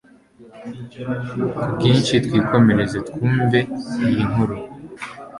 kubwinshi twikomereze, twumve iyi nkuru